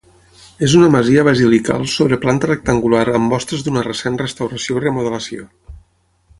És una masia basilical sobre planta rectangular amb mostres d'una recent restauració i remodelació.